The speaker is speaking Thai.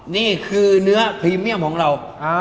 นี่คือเนื้อพรีเมียมของเรา